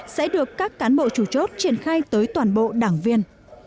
sẽ được các cán bộ chủ chốt triển khai tới toàn bộ đảng viên